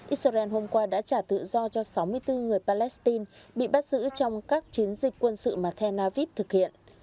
israel hôm qua đã trả tự do cho sáu mươi bốn người palestine bị bắt giữ trong các chiến dịch quân sự mà then aviv thực hiện